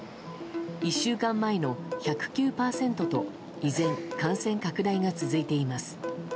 １週間前の１０９％と依然、感染拡大が続いています。